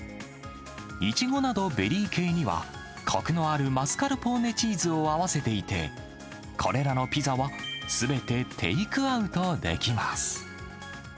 イチゴなどベリー系には、こくのあるマスカルポーネチーズを合わせていて、これらのピザはすべてテイクアウトできます。